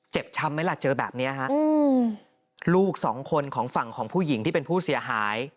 ช้ำไหมล่ะเจอแบบนี้ฮะลูกสองคนของฝั่งของผู้หญิงที่เป็นผู้เสียหาย